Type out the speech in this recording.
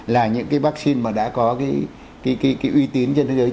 là những cái vaccine mà đã có cái uy tín trên thế giới